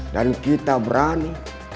dan kita berani